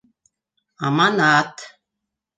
Аманат.